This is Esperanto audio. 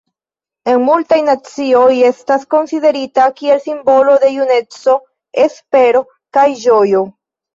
En multaj nacioj, estas konsiderita kiel simbolo de juneco, espero kaj ĝojo.